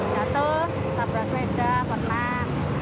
satu sabra sweda pernah